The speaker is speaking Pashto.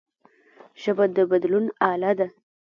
ژبه د بدلون اله ده